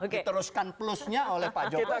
diteruskan plusnya oleh pak jokowi